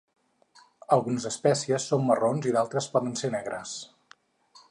Algunes espècies són marrons, i d'altres poden ser negres.